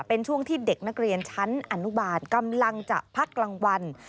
เป็นช่วงที่เด็กนักเรียนชั้นอนุบาลกำลังจะพักกลางวัน